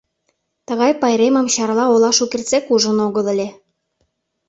ТЫГАЙ ПАЙРЕМЫМ ЧАРЛА ОЛА ШУКЕРТСЕК УЖЫН ОГЫЛ ЫЛЕ